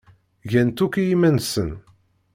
Gan-t akk i yiman-nsen.